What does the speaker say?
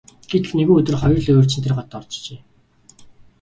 Гэтэл нэгэн өдөр хоёр луйварчин тэр хотод иржээ.